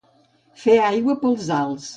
Fer aigua pels alts.